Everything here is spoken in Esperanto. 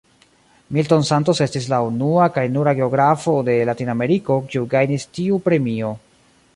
Milton Santos estis la unua kaj nura geografo de Latinameriko, kiu gajnis tiu premio.